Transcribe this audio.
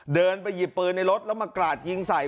เดินไปหยิบปืนในรถแล้วมากราดยิงใส่